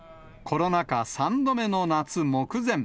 コロナ禍、３度目の夏目前。